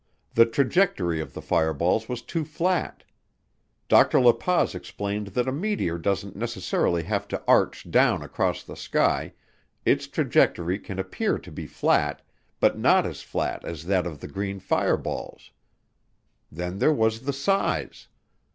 The trajectory of the fireballs was too flat. Dr. La Paz explained that a meteor doesn't necessarily have to arch down across the sky, its trajectory can appear to be flat, but not as flat as that of the green fireballs. Then there was the size.